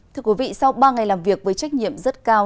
thưa quý vị sau ba ngày làm việc với trách nhiệm rất cao